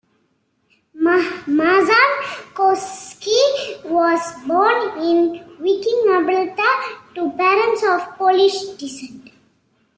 Mazankowski was born in Viking, Alberta, to parents of Polish descent.